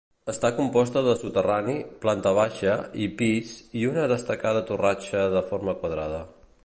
Està composta de soterrani, planta baixa i pis i una destacada torratxa de forma quadrada.